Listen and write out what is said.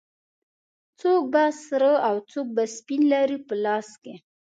څوک به سره او څوک به سپین لري په لاس کې